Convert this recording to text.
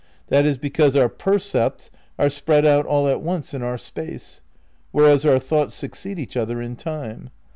That is because our percepts are spread out all at once in our space; whereas our thoughts succeed each other in time.